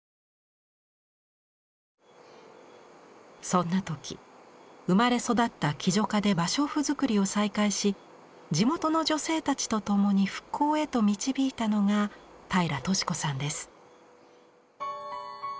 そんな時生まれ育った喜如嘉で芭蕉布作りを再開し地元の女性たちとともに復興へと導いたのが平良敏子さんです。